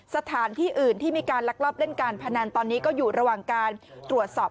สถานที่อื่นที่มีการลักลอบเล่นการพนันตอนนี้ก็อยู่ระหว่างการตรวจสอบ